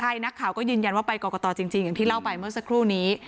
ใช่นักข่าวก็ยืนยันว่าไปกรกตจริงอย่างที่เล่าไปเมื่อสักครู่นี้